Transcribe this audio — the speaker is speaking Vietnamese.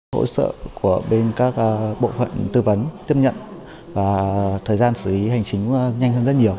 hỗ trợ của bên các bộ phận tư vấn tiếp nhận và thời gian xử lý hành chính nhanh hơn rất nhiều